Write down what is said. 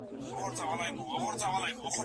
د ډلي ګټه تر فرد لوړه وي.